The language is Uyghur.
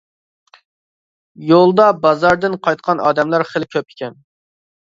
يولدا بازاردىن قايتقان ئادەملەر خىلى كۆپ ئىكەن.